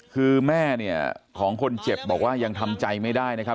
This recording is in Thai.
คือแม่เนี่ยของคนเจ็บบอกว่ายังทำใจไม่ได้นะครับ